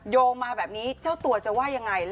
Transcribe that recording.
โยงมาแบบนี้เจ้าตัวจะว่ายังไง